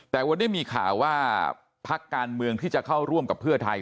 แต่วันนี้มีข่าวว่าพักการเมืองที่จะเข้าร่วมกับเพื่อไทย